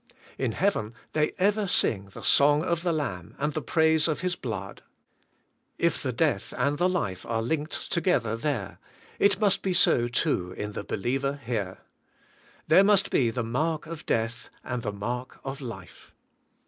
In heaven they ever sing the song of the Lamb and the praise of His blood. If the death and the life are linked together there, it must be so too in the believer here. There must be the mark of death and the mark of life.